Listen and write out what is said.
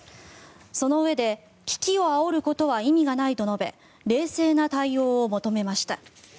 そのうえで、危機をあおることは意味がないと述べ冷静な対応を求めました。